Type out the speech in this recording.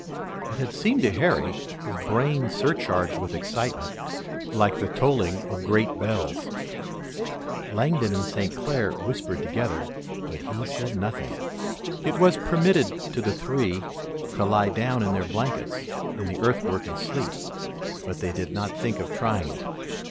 It had seemed to Harry, his brain surcharged with excitement, like the tolling of great bells. Langdon and St. Clair whispered together, but he said nothing. It was permitted to the three to lie down in their blankets in the earthwork and sleep, but they did not think of trying it.